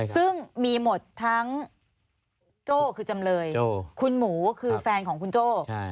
ซึ่งมีหมดทั้งโจ้คือจำเลยคุณหมูคือแฟนของคุณโจ้